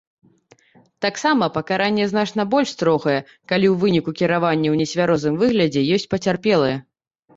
Таксама пакаранне значна больш строгае, калі ў выніку кіравання ў нецвярозым выглядзе ёсць пацярпелыя.